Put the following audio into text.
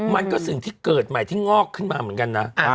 มันก็สิ่งที่เกิดใหม่ที่งอกขึ้นมาเหมือนกันนะ